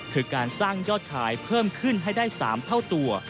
คือการสร้างยอดขายเพิ่มขึ้นให้ได้๓เท่าตัว